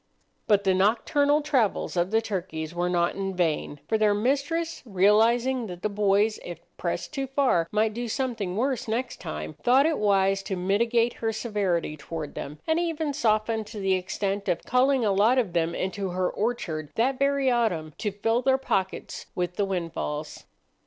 But the nocturnal travels of the turkeys were not in vain; for their mistress, realizing that the boys, if pressed too far, might do something worse next time, thought it wise to mitigate her severity toward them, and even softened to the extent of calling a lot of them into her orchard that very autumn to fill their pockets with the windfalls.